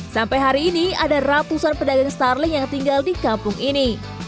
sampai hari ini ada ratusan pedagang starling yang tinggal di kampung ini